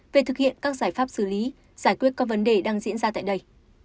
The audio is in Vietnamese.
về thực hiện các giải pháp xử lý giải quyết các vấn đề đang diễn ra tại đây